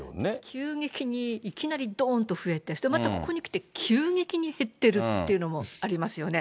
急激に、いきなりどんと増えて、そしてまたここにきて急激に減ってるっていうのもありますよね。